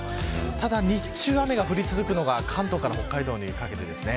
ただ日中、雨が降り続くのが関東から北海道にかけてです。